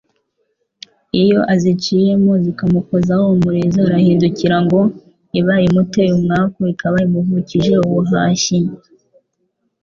iyo aziciyemo zikamukozaho umurizo, arahindukira ,ngo iba imuteye umwaku ikaba imuvukije ubuhashyi